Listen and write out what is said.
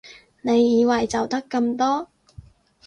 你以為就得咁多？